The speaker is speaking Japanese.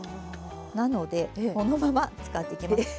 なのでこのまま使っていきます。